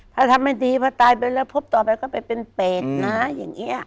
ถ้าทำไม่ดีพอตายไปแล้วพบต่อไปก็ไปเป็นเปรตนะอย่างนี้